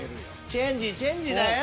チェンジチェンジだよ！